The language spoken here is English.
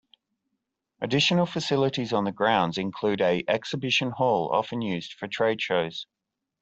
Additional facilities on the grounds include a Exhibition Hall often used for trade shows.